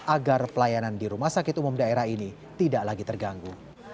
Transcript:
agar pelayanan di rumah sakit umum daerah ini tidak lagi terganggu